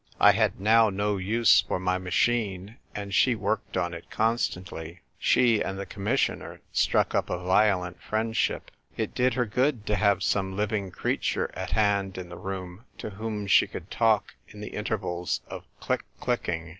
I had now no use for my machine, and she worked on it constantly. She and the Commissioner struck up a violent friendship. It did her good to have some living creature at hand in the room to whom she could talk in the inter vals of click clicking.